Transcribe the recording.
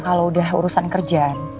kalau udah urusan kerjaan